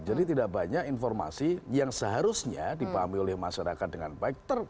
jadi tidak banyak informasi yang seharusnya dipahami oleh masyarakat dengan baik